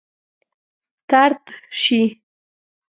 طرد شي.